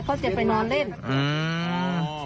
เขาจะไปนอนเล่น